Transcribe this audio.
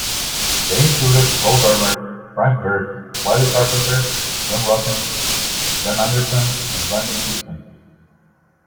They included Rhodarmer, Frank Byrd, Wiley Carpenter, John Roten, John Anderson and Randy Houston.